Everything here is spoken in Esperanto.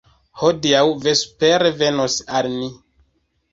hodiaŭ vespere venos al ni.